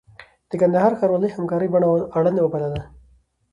د کندهار ښاروالۍ همکاري اړینه وبلله.